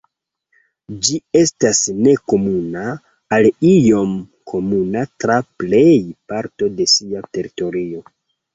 Ĝi estas nekomuna al iom komuna tra plej parto de sia teritorio.